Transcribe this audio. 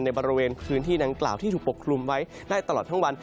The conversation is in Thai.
ในบริเวณพื้นที่ดังกล่าวที่ถูกปกคลุมไว้ได้ตลอดทั้งวัน